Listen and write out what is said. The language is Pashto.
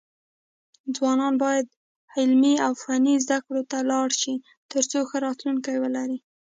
ځوانان بايد علمي او فني زده کړو ته لاړ شي، ترڅو ښه راتلونکی ولري.